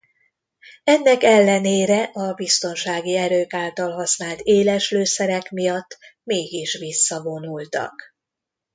Ennek ellenére a biztonsági erők által használt éles lőszerek miatt mégis visszavonultak.